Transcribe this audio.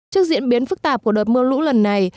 trước diễn biến phức tạp của đợt mưa lũ lần này